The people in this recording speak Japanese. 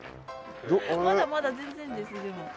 まだまだ全然ですでも。